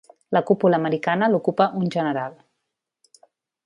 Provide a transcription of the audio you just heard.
La cúpula americana l'ocupa un general.